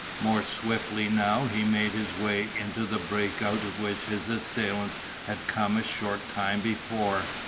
More swiftly now he made his way into the break out of which his assailants had come a short time before.